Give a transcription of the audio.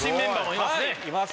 います。